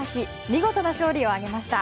見事な勝利を挙げました。